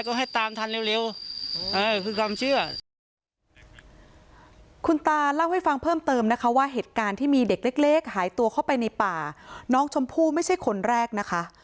คุณตานเล่าให้ฟังเพิ่มเติมนะคะว่าเหตุการณ์ที่มีเด็กเล็กหายตัวเข้าไปในป่ายน้องชมพูไม่ใช่คนแรกนะคะ